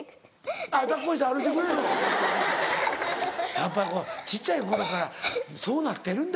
やっぱり小っちゃい頃からそうなってるんだ。